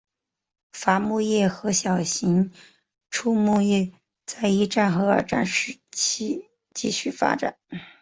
伐木业和小型的畜牧业在一战和二战期间继续发展。